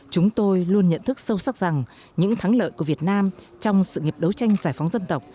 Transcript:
chúng tôi luôn nhận thức sâu sắc rằng những thắng lợi của việt nam trong sự nghiệp đấu tranh giải phóng dân tộc